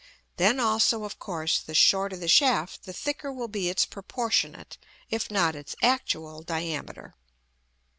Then also, of course, the shorter the shaft the thicker will be its proportionate, if not its actual, diameter.